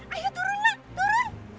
ayo turun lai turun